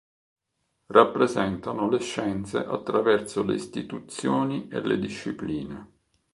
Rappresentano le scienze attraverso le istituzioni e le discipline.